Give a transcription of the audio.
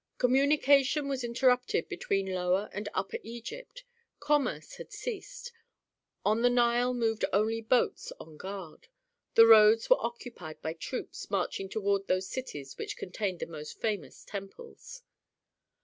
Communication was interrupted between Lower and Upper Egypt; commerce had ceased; on the Nile moved only boats on guard, the roads were occupied by troops marching toward those cities which contained the most famous temples.